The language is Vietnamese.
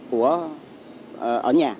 của ở nhà